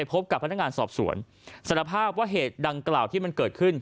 พบกับพนักงานสอบสวนสารภาพว่าเหตุดังกล่าวที่มันเกิดขึ้น